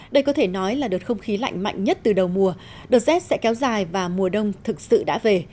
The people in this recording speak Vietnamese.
đây có thể nói là đợt không khí lạnh mạnh nhất từ đầu mùa đợt rét sẽ kéo dài và mùa đông thực sự đã về